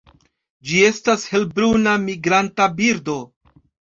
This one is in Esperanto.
Ĝi estas helbruna migranta birdo.